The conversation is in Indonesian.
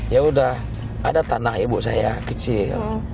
ya udah ada tanah ibu saya kecil